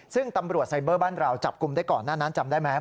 ซึ่งตำรวจไซเบอร์บ้านเราจับกลุ่มได้ก่อนหน้านั้นจำได้ไหม